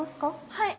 はい。